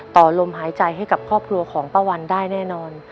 ต่อลมหายใจให้กับครอบครัวของป้าวันได้แน่นอน